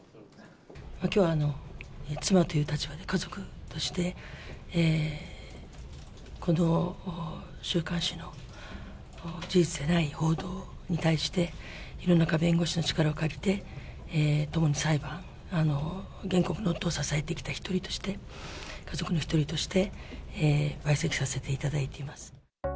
きょうは妻という立場で、家族として、この週刊誌の事実ではない報道に対して、弘中弁護士の力を借りて、共に裁判、原告の夫を支えてきた１人として、家族の１人として、相席させていただいています。